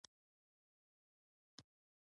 وده وکړي